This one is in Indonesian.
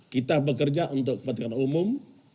kita bekerja untuk kepentingan umum